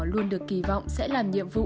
luôn được kỳ vọng sẽ làm nhiệm vụ